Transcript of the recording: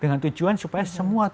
dengan tujuan supaya semua